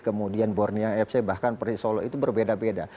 kemudian bornea fc bahkan persisolo itu berbeda beda